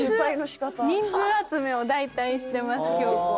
人数集めを大体してます京子は。